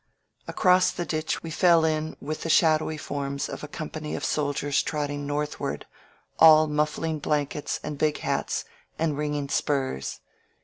Across the ditch we fell in with the shadowy forms of a company of soldiers trotting northward, all muffling blankets and big hats and ringing spurs.